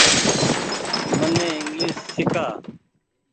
مني انگليش سيڪآ۔